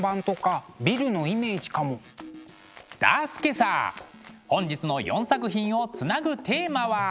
だすけさ本日の４作品をつなぐテーマは。